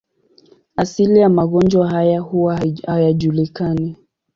Asili ya magonjwa haya huwa hayajulikani.